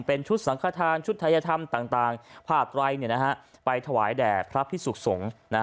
เป็นชุดสังขทานชุดทัยธรรมต่างผ้าไตรไปถวายแด่พระพิสุขสงฆ์